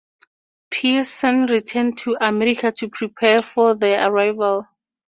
Peerson returned to America to prepare for their arrival.